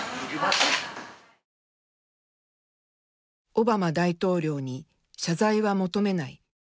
「オバマ大統領に謝罪は求めない」。